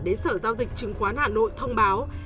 đến sở giao dịch chứng khoán hà nội thông báo